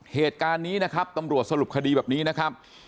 เหตุการณ์นี้นะครับตำรวจสรุปคดีแบบนี้นะครับ